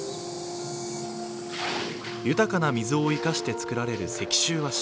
豊かな水を生かして作られる石州和紙。